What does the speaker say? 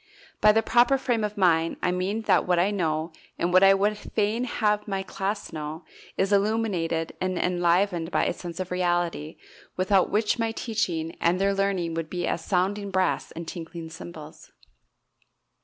By the proper frame of mind I mean that what I know, and what I would fain have my class know, is illuminated and enlivened by a sense of reality without which my teaching and their learning would be as sounding brass and tinkling cymbals.